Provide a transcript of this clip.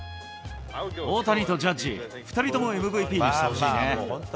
大谷とジャッジ、２人ともＭＶＰにしてほしいね。